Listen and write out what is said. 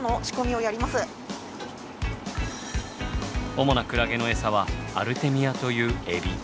主なクラゲのエサはアルテミアというエビ。